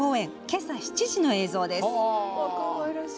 今朝７時の映像です。